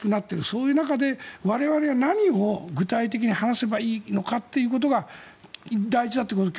そういう中で我々は何を具体的に話せばいいのかということが大事だということ